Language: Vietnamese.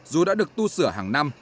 dù đã được tu sửa hàng năm